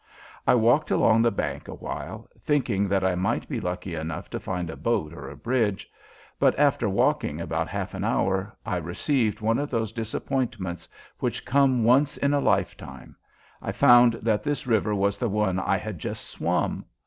I walked along the bank awhile, thinking that I might be lucky enough to find a boat or a bridge, but after walking about half an hour I received one of those disappointments which "come once in a lifetime." I found that this river was the one I had just swum!